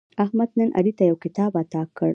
احمد نن علي ته یو کتاب اعطا کړ.